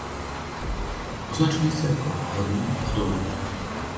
Označují se jako Horní a Dolní.